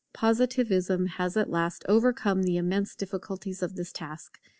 Positivism has at last overcome the immense difficulties of this task.